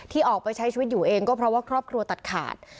ออกไปใช้ชีวิตอยู่เองก็เพราะว่าครอบครัวตัดขาด